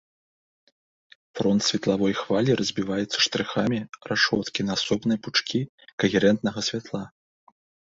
Фронт светлавой хвалі разбіваецца штрыхамі рашоткі на асобныя пучкі кагерэнтнага святла.